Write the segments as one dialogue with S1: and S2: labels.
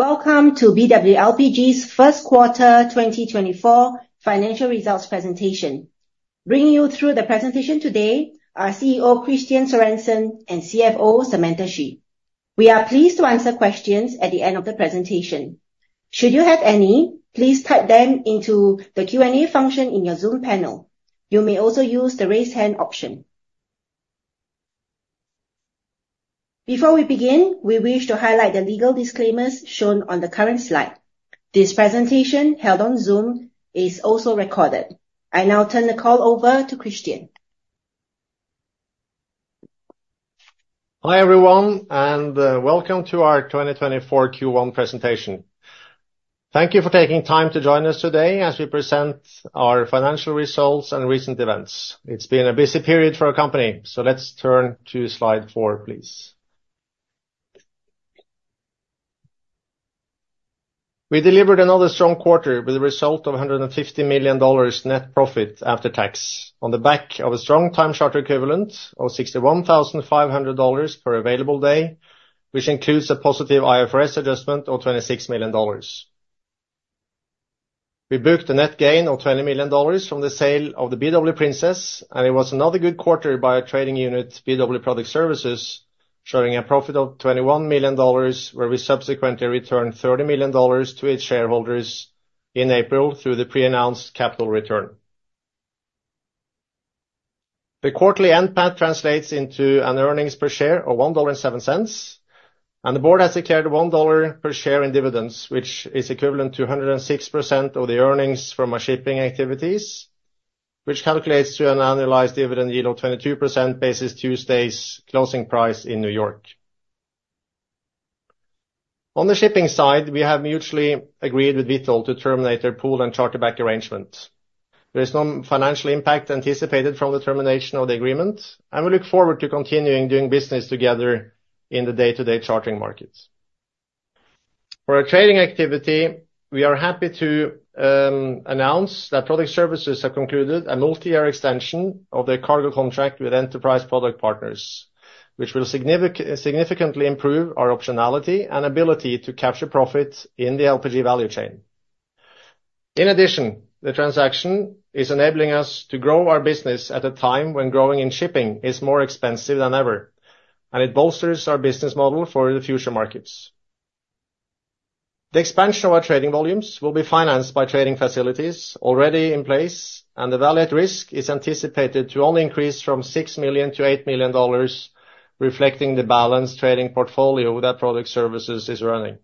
S1: Welcome to BW LPG's first quarter 2024 financial results presentation. Bringing you through the presentation today are CEO, Kristian Sørensen, and CFO, Samantha Xu. We are pleased to answer questions at the end of the presentation. Should you have any, please type them into the Q&A function in your Zoom panel. You may also use the raise hand option. Before we begin, we wish to highlight the legal disclaimers shown on the current slide. This presentation, held on Zoom, is also recorded. I now turn the call over to Kristian.
S2: Hi, everyone, and welcome to our 2024 Q1 presentation. Thank you for taking time to join us today as we present our financial results and recent events. It's been a busy period for our company, so let's turn to slide 4, please. We delivered another strong quarter with a result of $150 million net profit after tax, on the back of a strong time charter equivalent of $61,500 per available day, which includes a positive IFRS adjustment of $26 million. We booked a net gain of $20 million from the sale of the BW Princess, and it was another good quarter by our trading unit, BW Product Services, showing a profit of $21 million, where we subsequently returned $30 million to its shareholders in April through the pre-announced capital return. The quarterly NPAT translates into an earnings per share of $1.07, and the board has declared $1 per share in dividends, which is equivalent to 106% of the earnings from our shipping activities, which calculates to an annualized dividend yield of 22%, basis Tuesday's closing price in New York. On the shipping side, we have mutually agreed with Vitol to terminate their pool and charter back arrangement. There is no financial impact anticipated from the termination of the agreement, and we look forward to continuing doing business together in the day-to-day chartering market. For our trading activity, we are happy to announce that Product Services have concluded a multi-year extension of their cargo contract with Enterprise Products Partners, which will significantly improve our optionality and ability to capture profit in the LPG value chain. In addition, the transaction is enabling us to grow our business at a time when growing and shipping is more expensive than ever, and it bolsters our business model for the future markets. The expansion of our trading volumes will be financed by trading facilities already in place, and the value at risk is anticipated to only increase from $6 million-$8 million, reflecting the balanced trading portfolio that Product Services is running.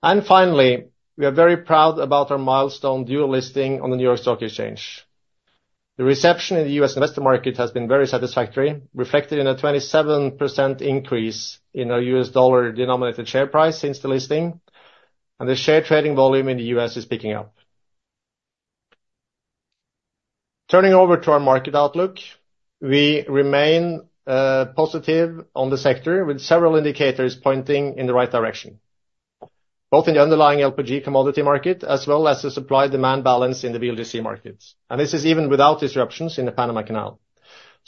S2: Finally, we are very proud about our milestone dual listing on the New York Stock Exchange. The reception in the U.S. investor market has been very satisfactory, reflected in a 27% increase in our U.S. dollar-denominated share price since the listing, and the share trading volume in the U.S. is picking up. Turning over to our market outlook, we remain positive on the sector, with several indicators pointing in the right direction, both in the underlying LPG commodity market as well as the supply-demand balance in the VLGC market. This is even without disruptions in the Panama Canal.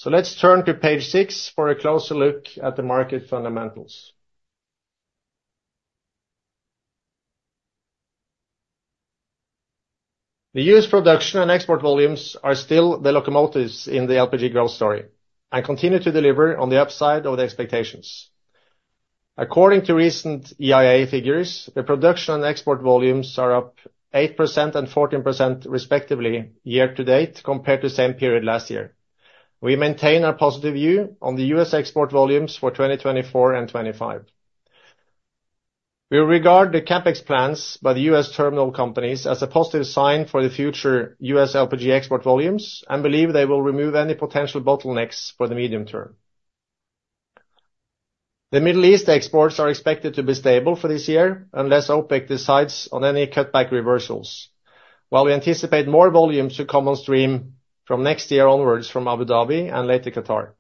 S2: Let's turn to page 6 for a closer look at the market fundamentals. The U.S. production and export volumes are still the locomotives in the LPG growth story and continue to deliver on the upside of the expectations. According to recent EIA figures, the production and export volumes are up 8% and 14% respectively, year to date, compared to the same period last year. We maintain our positive view on the U.S. export volumes for 2024 and 2025. We regard the CapEx plans by the U.S. terminal companies as a positive sign for the future U.S. LPG export volumes and believe they will remove any potential bottlenecks for the medium term. The Middle East exports are expected to be stable for this year, unless OPEC decides on any cutback reversals, while we anticipate more volumes to come on stream from next year onwards from Abu Dhabi and later, Qatar.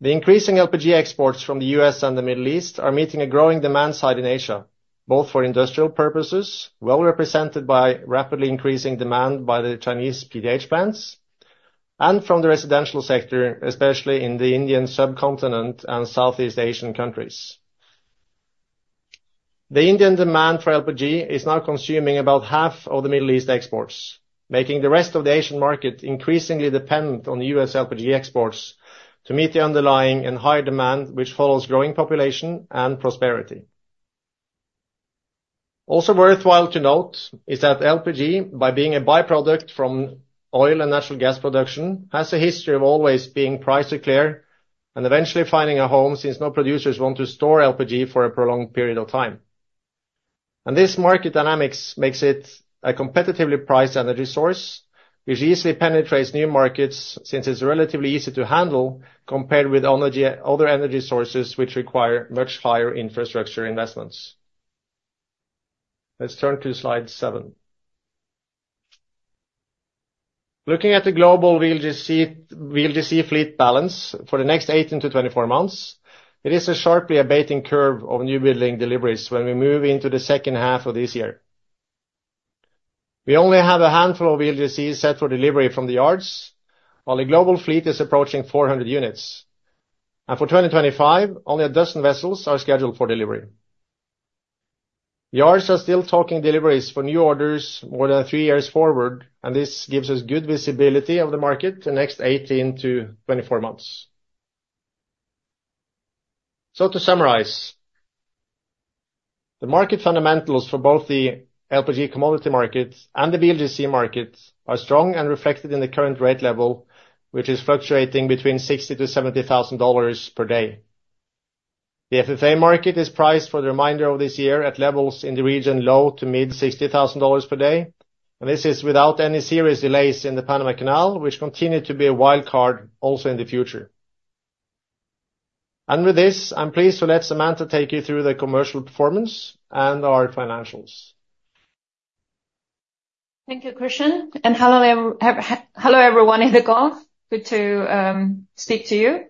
S2: The increasing LPG exports from the U.S. and the Middle East are meeting a growing demand side in Asia, both for industrial purposes, well represented by rapidly increasing demand by the Chinese PDH plants, and from the residential sector, especially in the Indian subcontinent and Southeast Asian countries. The Indian demand for LPG is now consuming about half of the Middle East exports, making the rest of the Asian market increasingly dependent on U.S. LPG exports to meet the underlying and higher demand, which follows growing population and prosperity. Also worthwhile to note is that LPG, by being a by-product from oil and natural gas production, has a history of always being priced to clear and eventually finding a home, since no producers want to store LPG for a prolonged period of time. This market dynamics makes it a competitively priced energy source, which easily penetrates new markets, since it's relatively easy to handle compared with other energy sources which require much higher infrastructure investments. Let's turn to slide seven. Looking at the global VLGC, VLGC fleet balance for the next 18-24 months, it is a sharply abating curve of new building deliveries when we move into the second half of this year... We only have a handful of VLGCs set for delivery from the yards, while the global fleet is approaching 400 units. For 2025, only 12 vessels are scheduled for delivery. The yards are still talking deliveries for new orders more than 3 years forward, and this gives us good visibility of the market the next 18-24 months. So to summarize, the market fundamentals for both the LPG commodity market and the VLGC market are strong and reflected in the current rate level, which is fluctuating between $60,000-$70,000 per day. The FFA market is priced for the remainder of this year at levels in the region low to mid $60,000 per day, and this is without any serious delays in the Panama Canal, which continue to be a wild card also in the future. With this, I'm pleased to let Samantha take you through the commercial performance and our financials.
S3: Thank you, Kristian, and hello, everyone in the Gulf. Good to speak to you.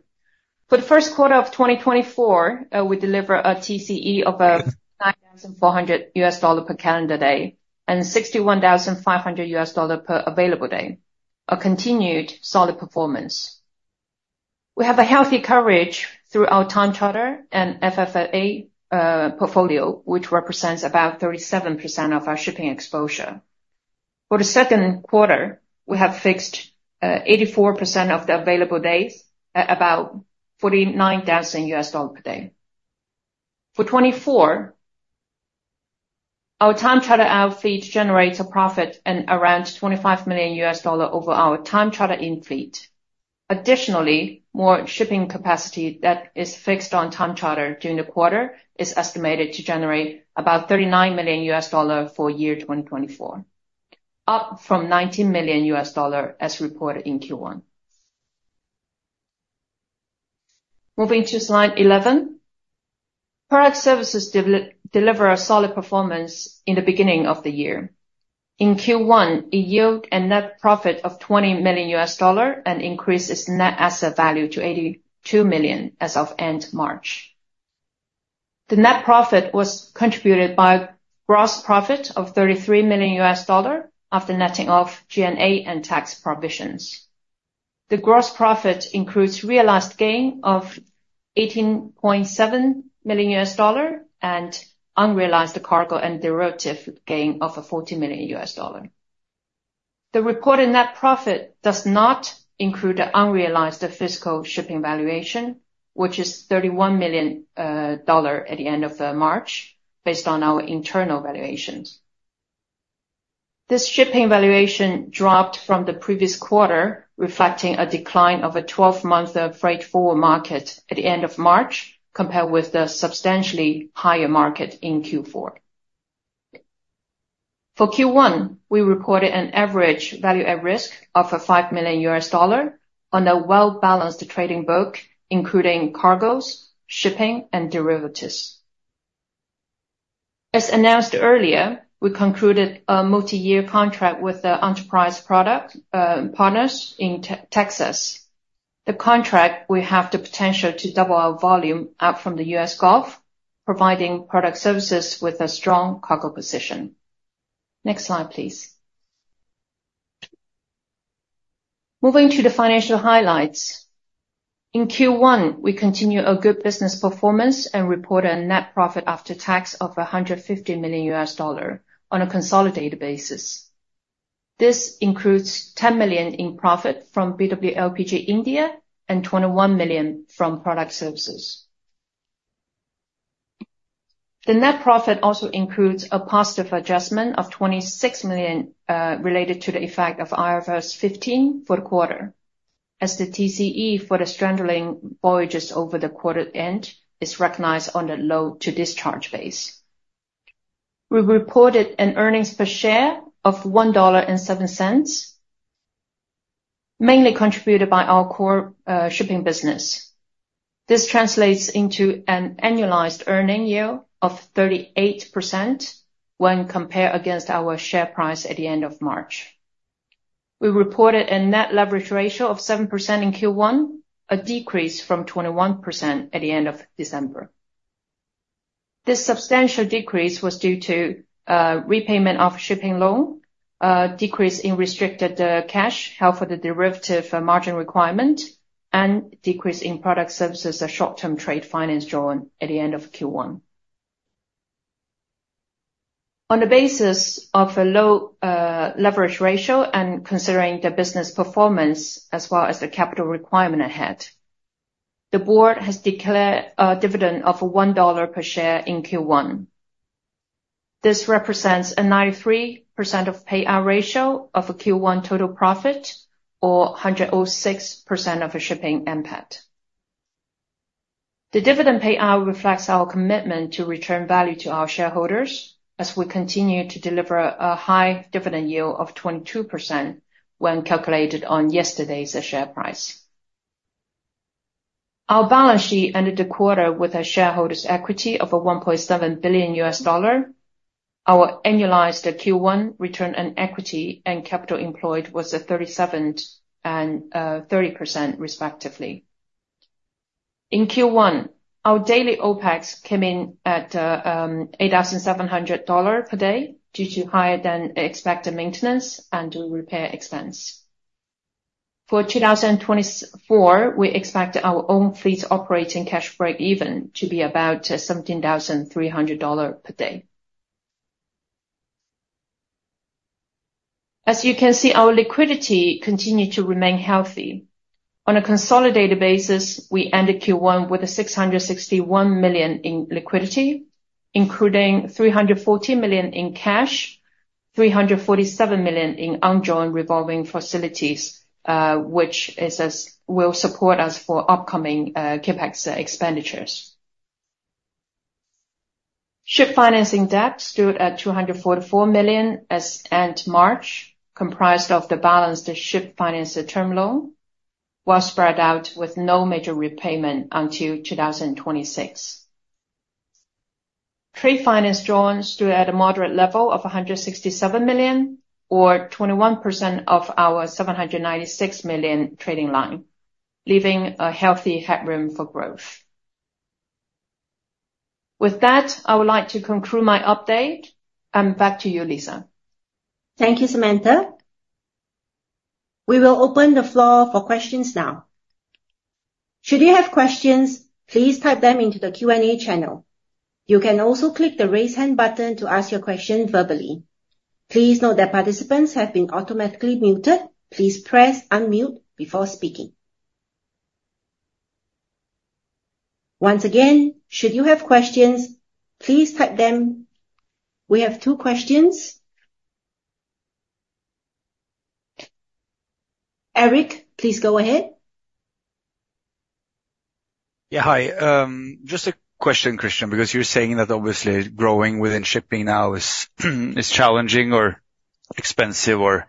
S3: For the first quarter of 2024, we deliver a TCE of $9,400 per calendar day, and $61,500 per available day, a continued solid performance. We have a healthy coverage through our time charter and FFA portfolio, which represents about 37% of our shipping exposure. For the second quarter, we have fixed 84% of the available days at about $49,000 per day. For 2024, our time charter out fleet generates a profit and around $25 million over our time charter in fleet. Additionally, more shipping capacity that is fixed on time charter during the quarter is estimated to generate about $39 million for 2024, up from $19 million as reported in Q1. Moving to slide 11. Product Services deliver a solid performance in the beginning of the year. In Q1, it yield a net profit of $20 million and increase its net asset value to $82 million as of end March. The net profit was contributed by gross profit of $33 million after netting off G&A and tax provisions. The gross profit includes realized gain of $18.7 million and unrealized cargo and derivative gain of $40 million. The reported net profit does not include the unrealized fiscal shipping valuation, which is $31 million at the end of March, based on our internal valuations. This shipping valuation dropped from the previous quarter, reflecting a decline of a 12-month freight forward market at the end of March, compared with the substantially higher market in Q4. For Q1, we reported an average value at risk of a $5 million on a well-balanced trading book, including cargoes, shipping, and derivatives. As announced earlier, we concluded a multi-year contract with Enterprise Products Partners in Texas. The contract will have the potential to double our volume up from the U.S. Gulf, providing Product Services with a strong cargo position. Next slide, please. Moving to the financial highlights. In Q1, we continue our good business performance and report a net profit after tax of $150 million on a consolidated basis. This includes $10 million in profit from BW LPG India and $21 million from product services. The net profit also includes a positive adjustment of $26 million related to the effect of IFRS 15 for the quarter, as the TCE for the straddling voyages over the quarter end is recognized on a load to discharge basis. We reported an earnings per share of $1.07, mainly contributed by our core shipping business. This translates into an annualized earnings yield of 38% when compared against our share price at the end of March. We reported a net leverage ratio of 7% in Q1, a decrease from 21% at the end of December. This substantial decrease was due to repayment of shipping loan, a decrease in restricted cash held for the derivative margin requirement, and decrease in product services, a short-term trade finance drawn at the end of Q1. On the basis of a low leverage ratio and considering the business performance, as well as the capital requirement ahead, the board has declared a dividend of $1 per share in Q1. This represents a 93% payout ratio of Q1 total profit, or 106% of a shipping NPAT. The dividend payout reflects our commitment to return value to our shareholders, as we continue to deliver a high dividend yield of 22% when calculated on yesterday's share price. Our balance sheet ended the quarter with a shareholders' equity of $1.7 billion. Our annualized Q1 return on equity and capital employed was at 37% and 30%, respectively. In Q1, our daily OpEx came in at $8,700 per day due to higher than expected maintenance and repair expense. For 2024, we expect our own fleet operating cash break even to be about $17,300 per day. As you can see, our liquidity continued to remain healthy. On a consolidated basis, we ended Q1 with $661 million in liquidity, including $314 million in cash, $347 million in undrawn revolving facilities, which will support us for upcoming CapEx expenditures. Ship financing debt stood at $244 million as at March, comprised of the balance, the ship finance term loan, while spread out with no major repayment until 2026. Trade finance drawn stood at a moderate level of $167 million, or 21% of our $796 million trading line, leaving a healthy headroom for growth. With that, I would like to conclude my update, and back to you, Lisa.
S1: Thank you, Samantha. We will open the floor for questions now. Should you have questions, please type them into the Q&A channel. You can also click the Raise Hand button to ask your question verbally. Please note that participants have been automatically muted. Please press unmute before speaking. Once again, should you have questions, please type them. We have two questions. Eric, please go ahead.
S4: Yeah, hi. Just a question, Kristian, because you're saying that obviously growing within shipping now is challenging or expensive or,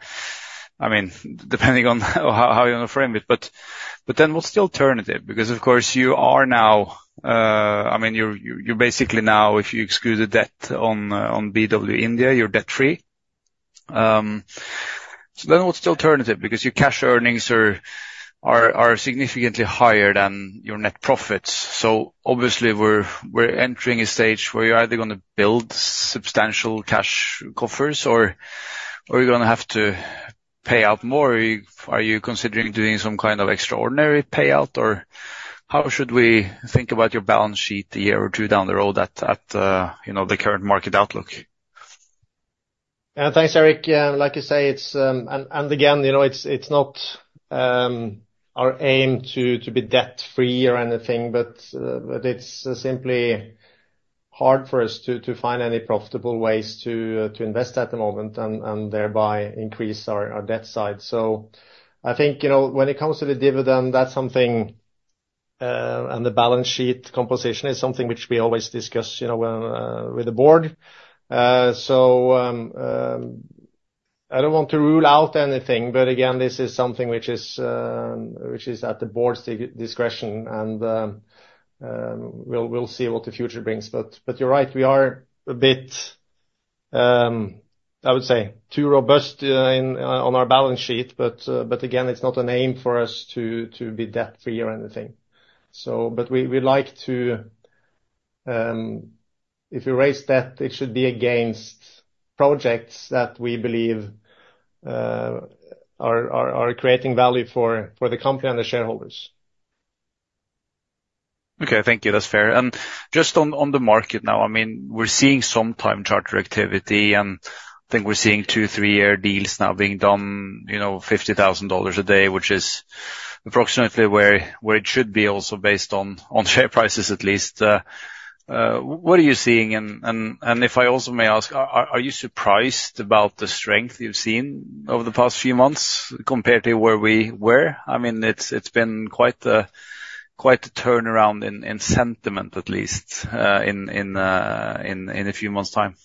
S4: I mean, depending on how you want to frame it. But then what's the alternative? Because, of course, you are now, I mean, you're basically now, if you exclude the debt on BW India, you're debt-free. So then what's the alternative? Because your cash earnings are significantly higher than your net profits. So obviously, we're entering a stage where you're either gonna build substantial cash coffers or you're gonna have to pay out more. Are you considering doing some kind of extraordinary payout? Or how should we think about your balance sheet a year or two down the road at, you know, the current market outlook?
S2: Thanks, Eric. Yeah, like you say, it's and again, you know, it's not our aim to be debt-free or anything, but it's simply hard for us to find any profitable ways to invest at the moment, and thereby increase our debt side. So I think, you know, when it comes to the dividend, that's something and the balance sheet composition is something which we always discuss, you know, when with the board. So, I don't want to rule out anything, but again, this is something which is at the board's discretion, and we'll see what the future brings. But you're right, we are a bit, I would say, too robust on our balance sheet. But again, it's not an aim for us to be debt-free or anything. So but we, we'd like to, if we raise debt, it should be against projects that we believe are creating value for the company and the shareholders.
S4: Okay, thank you. That's fair. And just on the market now, I mean, we're seeing some time charter activity, and I think we're seeing 2-3-year deals now being done, you know, $50,000 a day, which is approximately where it should be also based on share prices, at least. What are you seeing? And if I also may ask, are you surprised about the strength you've seen over the past few months compared to where we were? I mean, it's been quite a turnaround in sentiment, at least, in a few months' time.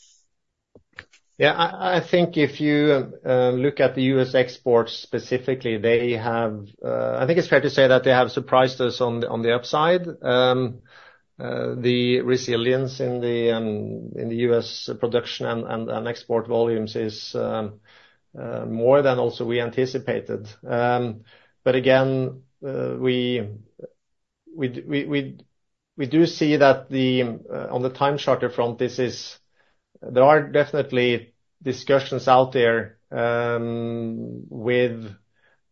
S2: Yeah, I think if you look at the U.S. exports specifically, they have. I think it's fair to say that they have surprised us on the upside. The resilience in the U.S. production and export volumes is more than also we anticipated. But again, we do see that on the time charter front, this is, there are definitely discussions out there with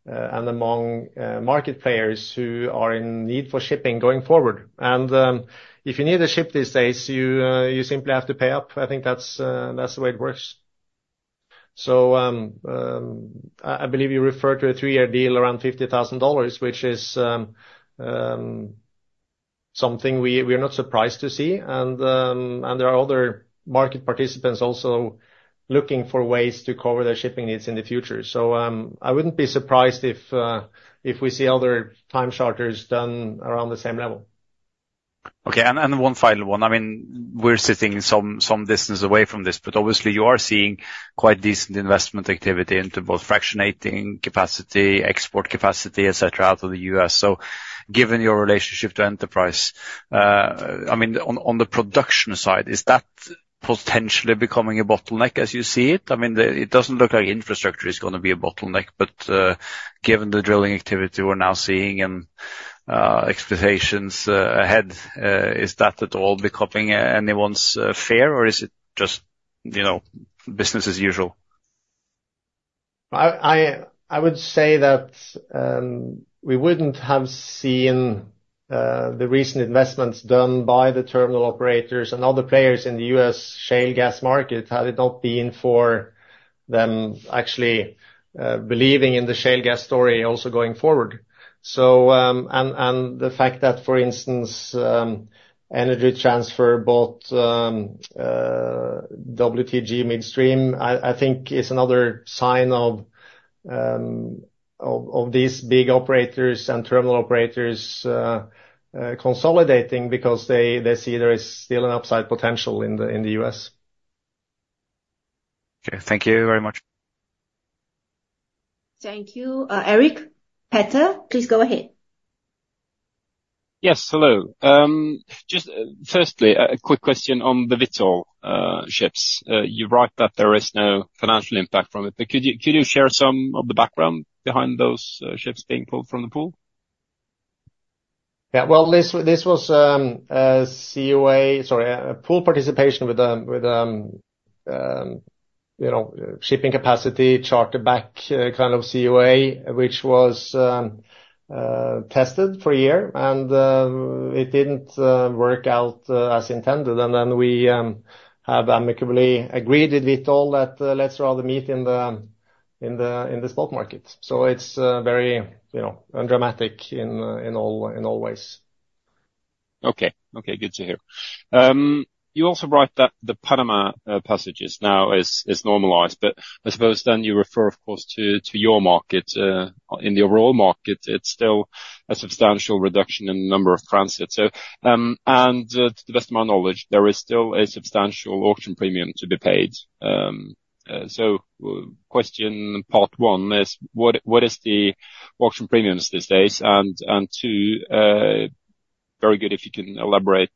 S2: and among market players who are in need for shipping going forward. And if you need a ship these days, you simply have to pay up. I think that's the way it works. I believe you referred to a three-year deal around $50,000, which is something we're not surprised to see. There are other market participants also looking for ways to cover their shipping needs in the future. I wouldn't be surprised if we see other time charters done around the same level.
S4: Okay, and one final one. I mean, we're sitting some distance away from this, but obviously you are seeing quite decent investment activity into both fractionating capacity, export capacity, et cetera, out of the U.S. So given your relationship to Enterprise, I mean, on the production side, is that potentially becoming a bottleneck as you see it? I mean, it doesn't look like infrastructure is gonna be a bottleneck, but given the drilling activity we're now seeing and expectations ahead. Is that at all becoming anyone's fear, or is it just, you know, business as usual?
S2: I would say that we wouldn't have seen the recent investments done by the terminal operators and other players in the U.S. shale gas market, had it not been for them actually believing in the shale gas story also going forward. So, and the fact that, for instance, Energy Transfer bought WTG Midstream, I think is another sign of these big operators and terminal operators consolidating because they see there is still an upside potential in the U.S.
S4: Okay. Thank you very much.
S1: Thank you, Eric. Petter, please go ahead.
S5: Yes, hello. Just firstly, a quick question on the VLGC ships. You write that there is no financial impact from it, but could you, could you share some of the background behind those ships being pulled from the pool?
S2: Yeah. Well, this was a COA. Sorry, a pool participation with you know, shipping capacity, charter back, kind of COA, which was tested for a year, and it didn't work out as intended. And then we have amicably agreed with all that, let's rather meet in the spot market. So it's very, you know, undramatic in all ways.
S5: Okay. Okay, good to hear. You also write that the Panama passages now is normalized, but I suppose then you refer, of course, to your market. In the overall market, it's still a substantial reduction in the number of transits. So, and to the best of my knowledge, there is still a substantial auction premium to be paid. So question part one is: what is the auction premiums these days? And two, very good if you can elaborate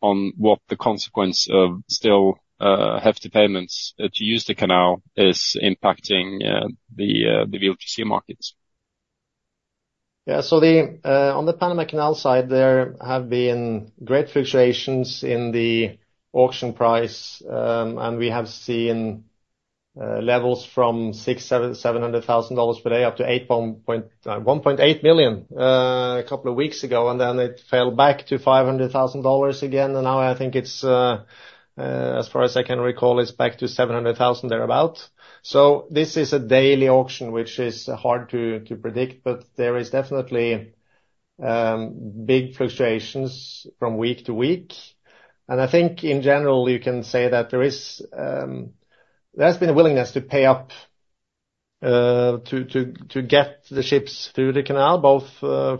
S5: on what the consequence of still hefty payments to use the canal is impacting the VLGC markets.
S2: Yeah, so on the Panama Canal side, there have been great fluctuations in the auction price, and we have seen levels from $600,000-$700,000 per day, up to $1.8 million a couple of weeks ago, and then it fell back to $500,000 again. And now I think it's, as far as I can recall, it's back to $700,000 thereabout. So this is a daily auction, which is hard to predict, but there is definitely big fluctuations from week to week. And I think in general, you can say that there is, there's been a willingness to pay up to get the ships through the canal, both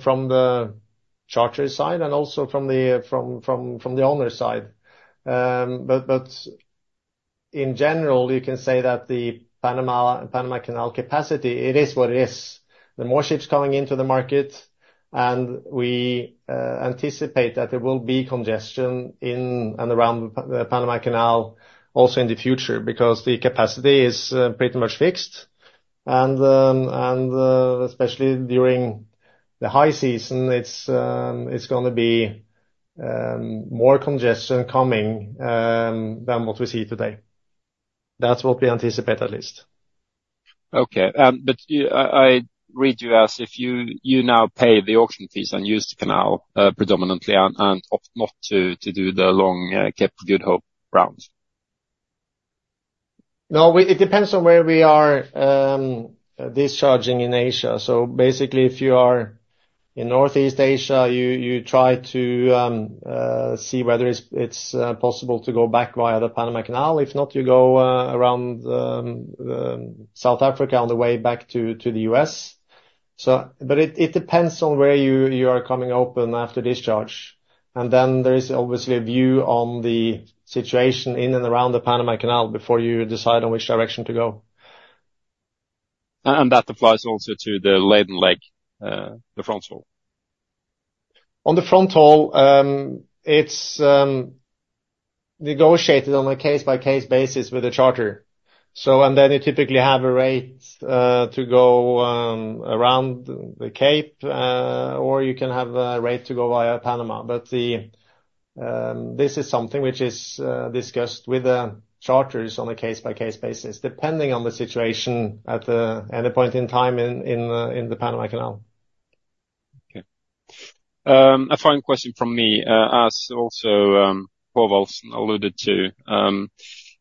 S2: from the charter side and also from the owner side. But in general, you can say that the Panama Canal capacity, it is what it is. There are more ships coming into the market, and we anticipate that there will be congestion in and around the Panama Canal also in the future, because the capacity is pretty much fixed. And especially during the high season, it's gonna be more congestion coming than what we see today. That's what we anticipate, at least.
S5: Okay. But I read you as if you, you now pay the auction fees and use the canal predominantly, and opt not to do the long Cape of Good Hope route.
S2: No, it depends on where we are discharging in Asia. So basically, if you are in Northeast Asia, you try to see whether it's possible to go back via the Panama Canal. If not, you go around South Africa on the way back to the U.S. So but it depends on where you are coming open after discharge. Then there is obviously a view on the situation in and around the Panama Canal before you decide on which direction to go.
S5: That applies also to the laden leg, the front haul?
S2: On the front haul, it's negotiated on a case-by-case basis with the charter. So, and then you typically have a rate to go around the Cape, or you can have a rate to go via Panama. But this is something which is discussed with the charters on a case-by-case basis, depending on the situation at a point in time in the Panama Canal.
S5: Okay. A final question from me, as also, Paul Wallson alluded to,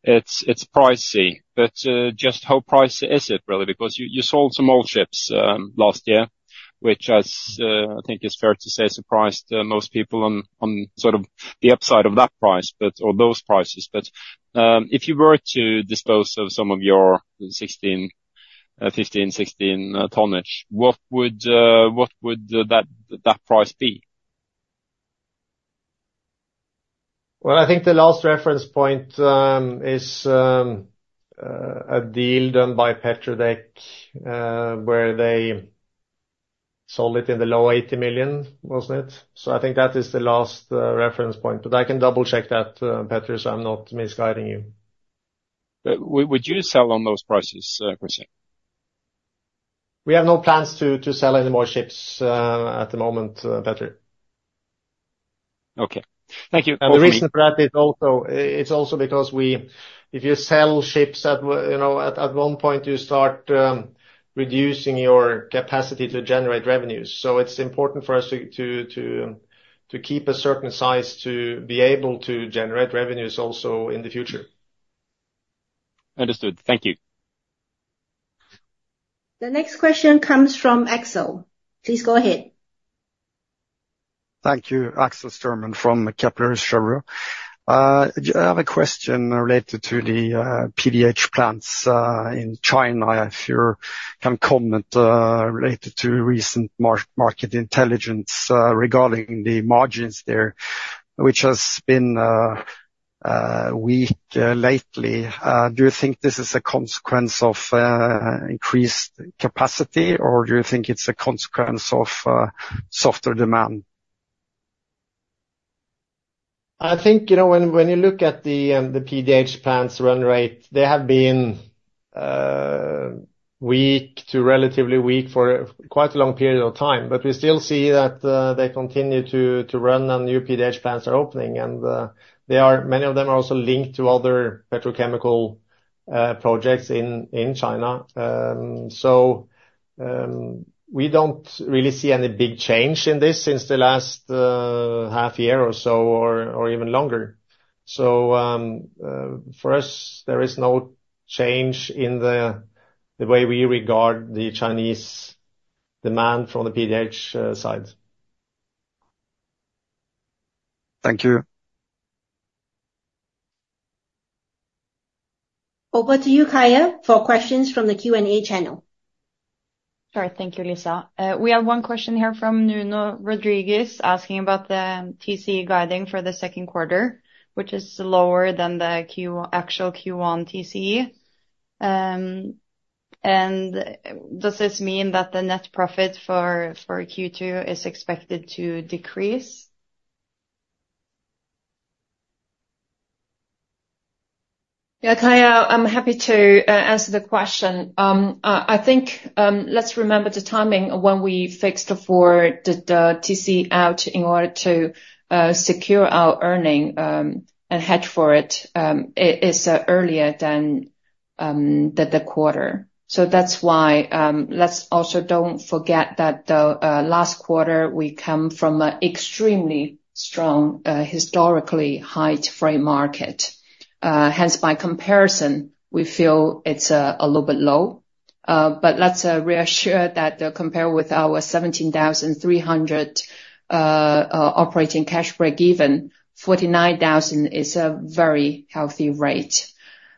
S5: it's, it's pricey, but, just how pricey is it, really? Because you, you sold some old ships, last year, which as, I think it's fair to say, surprised most people on, on sort of the upside of that price, but, or those prices. But, if you were to dispose of some of your 16, 15, 16 tonnage, what would, what would the, that, that price be?
S2: Well, I think the last reference point is a deal done by Petredec, where they sold it in the low $80 million, wasn't it? So I think that is the last reference point, but I can double-check that, Patrick, so I'm not misguiding you....
S5: But would you sell on those prices, Kristian?
S2: We have no plans to sell any more ships at the moment, better.
S5: Okay. Thank you.
S2: The reason for that is also, it's also because we if you sell ships, you know, at one point, you start reducing your capacity to generate revenues. So it's important for us to keep a certain size to be able to generate revenues also in the future.
S5: Understood. Thank you.
S1: The next question comes from Axel. Please go ahead.
S6: Thank you. Axel Styrman from the Kepler Cheuvreux. I have a question related to the PDH plants in China. If you can comment related to recent market intelligence regarding the margins there, which has been weak lately. Do you think this is a consequence of increased capacity, or do you think it's a consequence of softer demand?
S2: I think, you know, when you look at the PDH plants' run rate, they have been weak to relatively weak for quite a long period of time. But we still see that they continue to run, and new PDH plants are opening. And many of them are also linked to other petrochemical projects in China. So we don't really see any big change in this since the last half year or so, or even longer. So for us, there is no change in the way we regard the Chinese demand from the PDH side.
S6: Thank you.
S1: Over to you, Kaja, for questions from the Q&A channel.
S7: Sorry. Thank you, Lisa. We have one question here from Nuno Rodrigues, asking about the TCE guiding for the second quarter, which is lower than the actual Q1 TCE. And does this mean that the net profit for Q2 is expected to decrease?
S3: Yeah, Kaja, I'm happy to answer the question. I think, let's remember the timing when we fixed for the TCE out in order to secure our earning and hedge for it. It is earlier than the quarter. So that's why... let's also not forget that the last quarter, we come from an extremely strong historically high freight market. Hence, by comparison, we feel it's a little bit low. But let's reassure that compared with our $17,300 operating cash break even, $49,000 is a very healthy rate.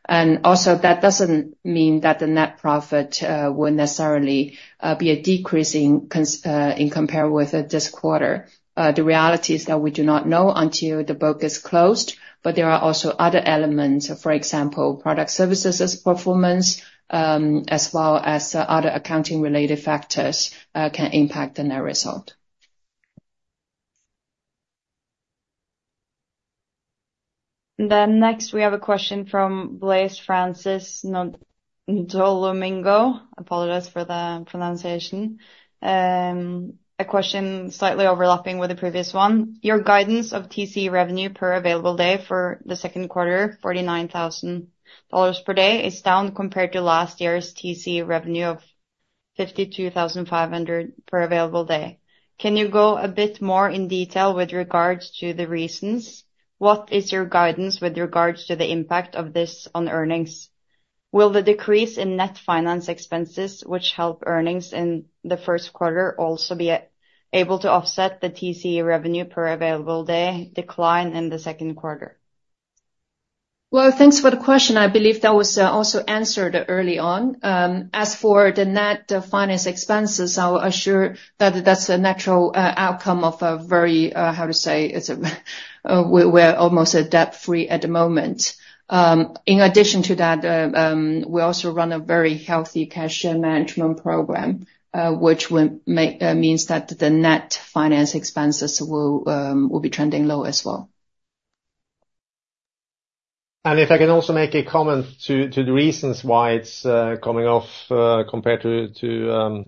S3: And also, that doesn't mean that the net profit will necessarily be a decrease in comparison with this quarter. The reality is that we do not know until the book is closed, but there are also other elements, for example, Product Services' performance, as well as other accounting-related factors, can impact the net result.
S7: Then next, we have a question from Blaise Francis Ndolomingo. I apologize for the pronunciation. A question slightly overlapping with the previous one. Your guidance of TCE revenue per available day for the second quarter, $49,000 per day, is down compared to last year's TCE revenue of $52,500 per available day. Can you go a bit more in detail with regards to the reasons? What is your guidance with regards to the impact of this on earnings? Will the decrease in net finance expenses, which help earnings in the first quarter, also be able to offset the TCE revenue per available day decline in the second quarter?
S3: Well, thanks for the question. I believe that was also answered early on. As for the net finance expenses, I will assure that that's a natural outcome of a very, how to say? It's a - we're almost debt-free at the moment. In addition to that, we also run a very healthy cash share management program, which will make, means that the net finance expenses will, will be trending low as well.
S2: And if I can also make a comment to the reasons why it's coming off compared to the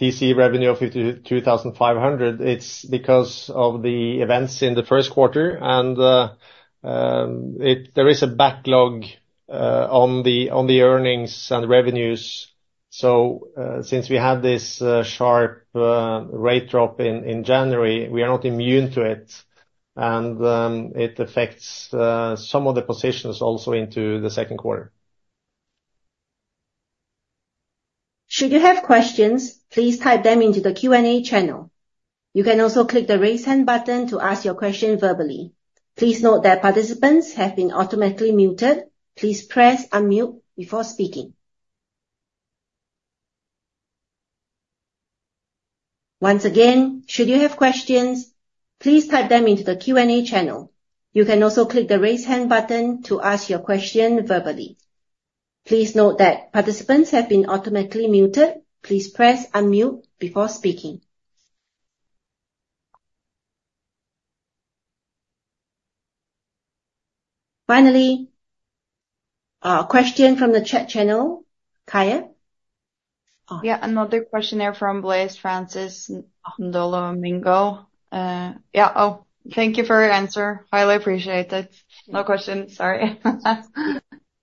S2: TCE revenue of $52,500, it's because of the events in the first quarter, and there is a backlog on the earnings and revenues. So since we had this sharp rate drop in January, we are not immune to it, and it affects some of the positions also into the second quarter.
S1: Should you have questions, please type them into the Q&A channel. You can also click the Raise Hand button to ask your question verbally. Please note that participants have been automatically muted. Please press Unmute before speaking. Once again, should you have questions, please type them into the Q&A channel. You can also click the Raise Hand button to ask your question verbally. Please note that participants have been automatically muted. Please press Unmute before speaking. Finally, a question from the chat channel, Kaja?
S7: Yeah, another question here from Blaise Francis Ndolomingo. Yeah, oh, thank you for your answer. Highly appreciate it. No question. Sorry.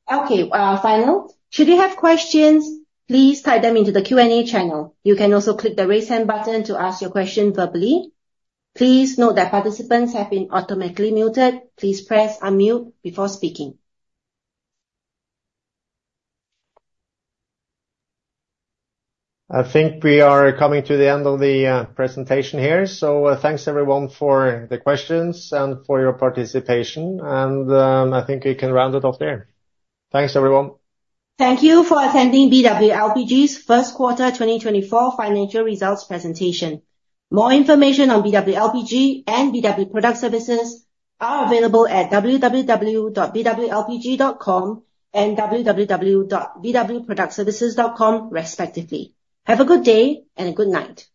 S1: Okay, final. Should you have questions, please type them into the Q&A channel. You can also click the Raise Hand button to ask your question verbally. Please note that participants have been automatically muted. Please press Unmute before speaking.
S2: I think we are coming to the end of the presentation here. So, thanks, everyone, for the questions and for your participation. I think we can round it off there. Thanks, everyone.
S1: Thank you for attending BW LPG's first quarter 2024 financial results presentation. More information on BW LPG and BW Product Services are available at www.bwlpg.com and www.bwproductservices.com, respectively. Have a good day and a good night!